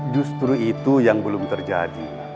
justru itu yang belum terjadi